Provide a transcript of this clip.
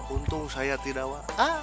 untung saya tidak wa